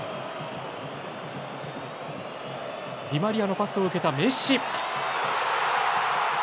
ディマリアのパスを受けたメッシ。